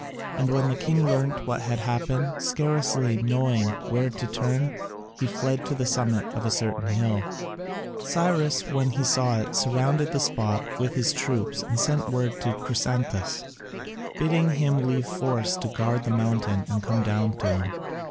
And when the king learnt what had happened, scarcely knowing where to turn, he fled to the summit of a certain hill. Cyrus, when he saw it, surrounded the spot with his troops and sent word to Chrysantas, bidding him leave a force to guard the mountains and come down to him.